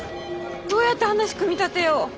どうやって話組み立てよう。